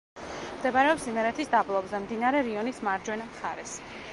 მდებარეობს იმერეთის დაბლობზე, მდინარე რიონის მარჯვენა მხარეს.